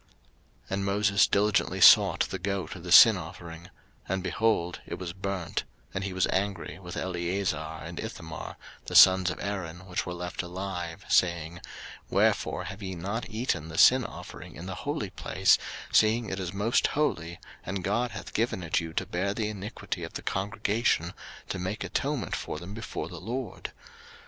03:010:016 And Moses diligently sought the goat of the sin offering, and, behold, it was burnt: and he was angry with Eleazar and Ithamar, the sons of Aaron which were left alive, saying, 03:010:017 Wherefore have ye not eaten the sin offering in the holy place, seeing it is most holy, and God hath given it you to bear the iniquity of the congregation, to make atonement for them before the LORD?